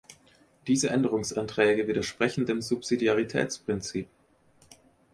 Diese Änderungsanträge widersprechen dem Subsidiaritätsprinzip.